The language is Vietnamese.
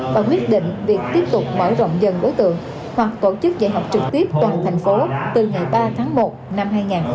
và quyết định việc tiếp tục mở rộng dần đối tượng hoặc tổ chức dạy học trực tiếp toàn thành phố từ ngày ba tháng một năm hai nghìn hai mươi